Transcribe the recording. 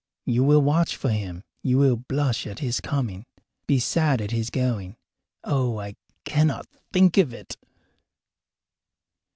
You will watch for him; you will blush at his coming, be sad at his going. Oh, I cannot think of it!